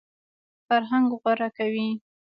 فرهنګ غوره کوي.